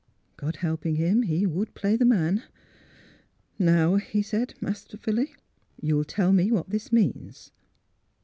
God helping him, he would play the man. '' Now," he said, masterfully, " you will tell me what tliis means.